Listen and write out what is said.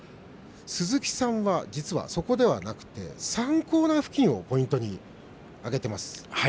鈴木さんは、実はそこではなくて３コーナー付近をポイントに挙げています。